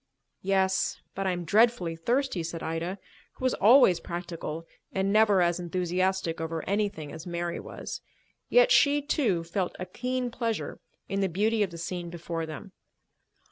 "Yes, but I am dreadfully thirsty," said Ida, who was always practical and never as enthusiastic over anything as Mary was. Yet she, too, felt a keen pleasure in the beauty of the scene before them.